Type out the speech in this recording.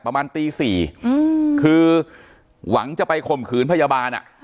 ประมาณตี๔คือหวังจะไปข่มขืนพยาบาลอ่ะ